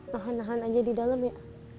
nahan nahan aja di dalam ya